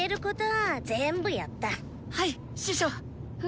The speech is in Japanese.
はい師匠。